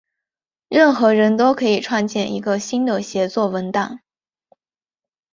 任何人都可以创建一个新的协作文档。